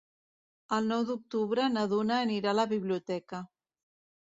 El nou d'octubre na Duna anirà a la biblioteca.